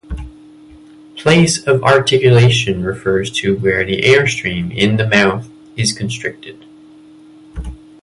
Place of articulation refers to where the airstream in the mouth is constricted.